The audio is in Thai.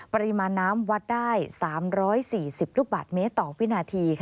ปริมาณน้ำวัดได้๓๔๐ลูกบาทเมตรต่อวินาที